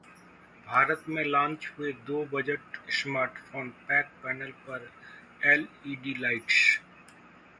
भारत मे लॉन्च हुए दो बजट स्मार्टफोन, पैक पैनल पर एलईडी लाइट्स